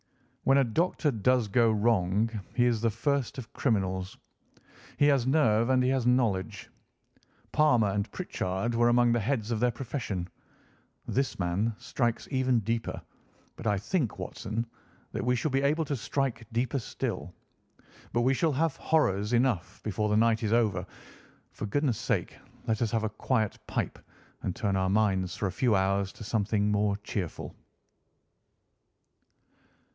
When a doctor does go wrong he is the first of criminals. He has nerve and he has knowledge. Palmer and Pritchard were among the heads of their profession. This man strikes even deeper, but I think, Watson, that we shall be able to strike deeper still. But we shall have horrors enough before the night is over; for goodness' sake let us have a quiet pipe and turn our minds for a few hours to something more cheerful."